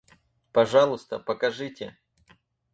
Пожалуйста, покажите.